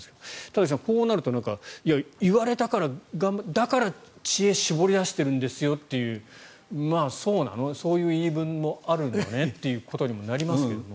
田崎さん、こうなると言われたからだから知恵を絞り出してるんですよというまあ、そうなのそういう言い分もあるのねってことにもなりますけど。